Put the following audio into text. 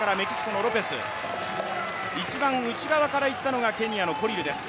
一番内側から行ったのがケニアのコリルです。